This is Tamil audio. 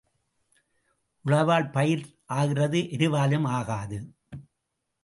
உழவால் பயிர் ஆகிறது எருவாலும் ஆகாது.